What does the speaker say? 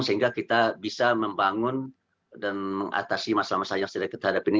sehingga kita bisa membangun dan mengatasi masalah masalah yang sudah kita hadapi ini